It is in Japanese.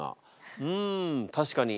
ん確かに。